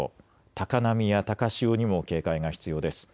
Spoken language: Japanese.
高波や高潮にも警戒が必要です。